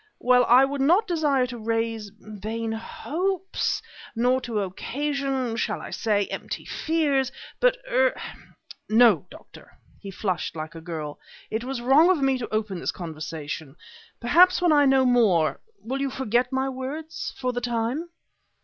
"Well, I would not desire to raise vain hopes nor to occasion, shall I say, empty fears; but er... no, Doctor!" He flushed like a girl "It was wrong of me to open this conversation. Perhaps, when I know more will you forget my words, for the time?"